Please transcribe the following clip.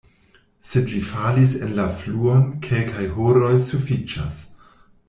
Se ĝi falis en la fluon, kelkaj horoj sufiĉas.